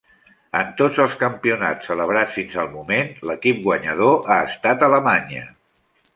En tots els campionats celebrats fins al moment l'equip guanyador ha estat Alemanya.